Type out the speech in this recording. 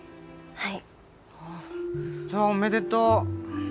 はい？